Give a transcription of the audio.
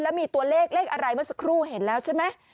แล้วมีตัวเลขเลขอะไรเมื่อสักครู่เห็นแล้วใช่ไหม